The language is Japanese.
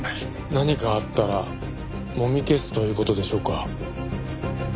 何かあったらもみ消すという事でしょうか？